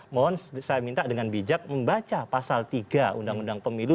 mohon saya minta dengan bijak membaca pasal tiga undang undang pemilu